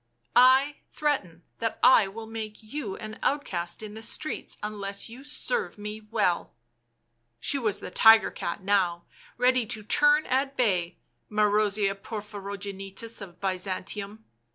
" I threaten that I will make you an outcast in the streets unless you serve me well." She was the tiger cat now, ready to turn at bay, Marozia Porphyrogenitus of Byzantium.